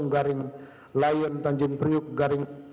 garing layan tanjung priuk garing dua puluh tujuh